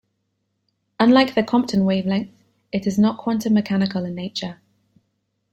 Unlike the Compton wavelength, it is not quantum-mechanical in nature.